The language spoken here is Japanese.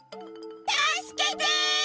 たすけて！